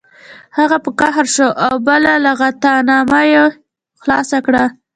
هغه په قهر شو او بله لغتنامه یې خلاصه کړه